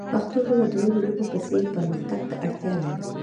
پښتو ژبه د نورو ژبو په څیر پرمختګ ته اړتیا لري.